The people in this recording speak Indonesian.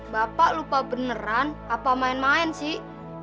bapak lupa beneran apa main main sih